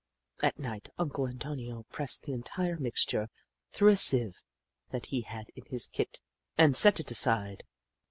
At night. Uncle Antonio pressed the entire mixture through a sieve that he had in his kit, and set it aside.